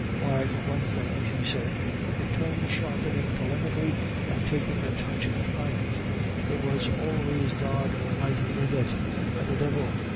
Why, for one thing," she said, her tone sharpening polemically and taking a touch of triumph, "there was always God Almighty in it, and the Divil.